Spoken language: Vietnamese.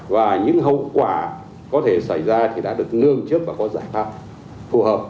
và những hậu quả có thể xảy ra thì đã được nương trước và có giải pháp phù hợp